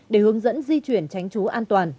để hướng dẫn di chuyển tránh chú an toàn